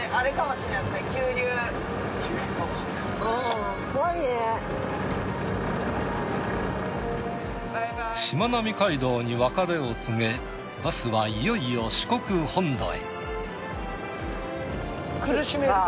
しまなみ海道に別れを告げバスはいよいよ四国本土へ。